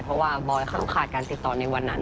เพราะว่าบอยเขาขาดการติดต่อในวันนั้น